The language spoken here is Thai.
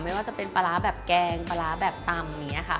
ไม่ว่าจะเป็นปลาร้าแบบแกงปลาร้าแบบตำอย่างนี้ค่ะ